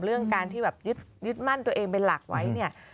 เรื่องการที่ยึดมั่นตัวเองเป็นหลักไว้